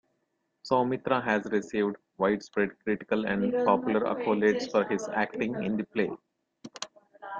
Soumitra has received widespread critical and popular accolades for his acting in the play.